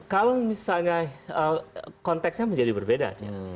kalau misalnya konteksnya menjadi berbeda